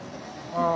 ああ。